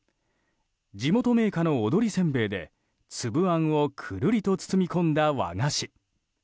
地元銘菓の踊せんべいで粒あんをくるりと包み込んだ和菓子。